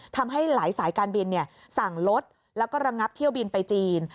ทำให้หลายสายการบินสั่งลดแล้วก็ระงับเที่ยวบินไปจีน